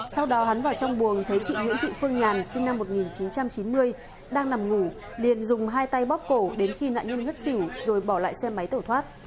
sau đó hắn vào trong buồng thấy chị nguyễn thị phương nhàn sinh năm một nghìn chín trăm chín mươi đang nằm ngủ liền dùng hai tay bóp cổ đến khi nạn nhân ngất xỉu rồi bỏ lại xe máy tẩu thoát